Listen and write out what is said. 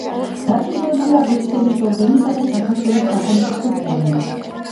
დაჯილდოებულია ღირსების ორდენითა და საქართველოს სახელმწიფო პრემიით.